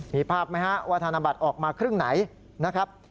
มีภาพไหมฮะว่าธนบัตรออกมาครึ่งไหนนะครับ